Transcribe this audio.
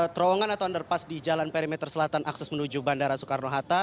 terowongan atau underpass di jalan perimeter selatan akses menuju bandara soekarno hatta